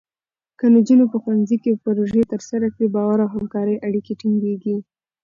که نجونې په ښوونځي کې پروژې ترسره کړي، باور او همکارۍ اړیکې ټینګېږي.